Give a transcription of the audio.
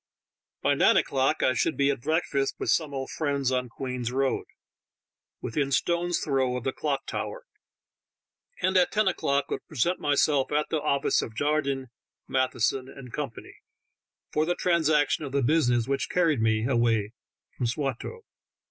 By nine o'clock I should be at breakfast with some old friends on Queen's Road, within stone's throw of the Clock Tower, and at ten o'clock would present myself at the office of Jardine, Matheson 12 THE TALKING HANDKERCHIEI^. & Company, for the transaction of the business which carried me away from Swatow.